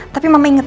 tapi mama ingin tahu